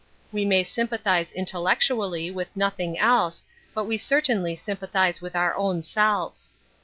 We may sympathize in tellectually with nothing else, but we certainly sympathize with our own selves.